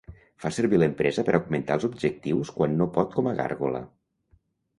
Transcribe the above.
Fa servir l'empresa per augmentar els objectius quan no pot com a gàrgola.